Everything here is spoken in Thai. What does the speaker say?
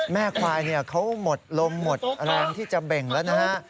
แม่ควายเขาหมดลมหมดแรงที่จะเบ่งแล้วนะฮะ